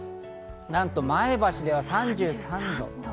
なんと前橋では３３度。